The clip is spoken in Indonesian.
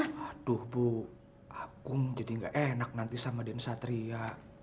aduh bu agung jadi nggak enak nanti sama dien satria